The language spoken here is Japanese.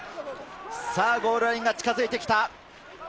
ゴールラインが近づいてきた。